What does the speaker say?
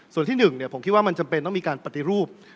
ส่วนที่๑ผมคิดว่ามันจำเป็นต้องมีการปฏิรูป